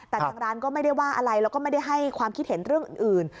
แต่ทางร้านก็ไม่ได้ว่าอะไรแล้วก็ไม่ได้ให้ความคิดเห็นเรื่องอื่น